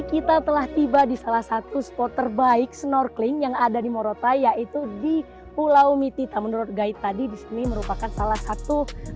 kita telah tiba di salah satu spot terbaik snorkeling yang ada di morotai yaitu di pulau mitita menurut guide tadi disini merupakan tempat yang paling baik untuk berjalan